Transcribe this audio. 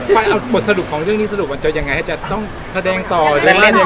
ควัญเอาบทสรุปของเรื่องนี้สรุปกว่าจะยังไงจะต้องแขดงต่อหรือว่ายังไง